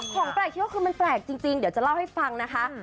ของแปลกที่ว่าคือมันแปลกจริงเดี๋ยวจะเล่าให้ฟังนะคะ